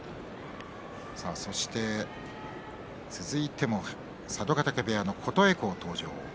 そして、続いても佐渡ヶ嶽部屋の琴恵光が登場。